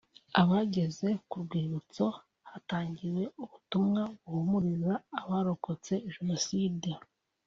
Abageze ku rwibutso hatangiwe ubutumwa buhumuriza abarokotse Jenoside